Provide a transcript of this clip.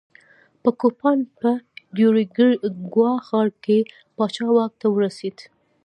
په کوپان په کیوریګوا ښار کې پاچا واک ته ورسېد.